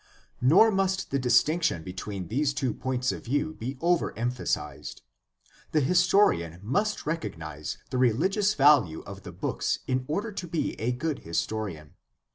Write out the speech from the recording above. Nor must the distinction between these two points of view be overemphasized. The historian must recognize the rehgious value of the books in order to be a good his torian.